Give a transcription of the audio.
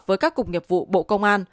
với các cục nghiệp vụ bộ công an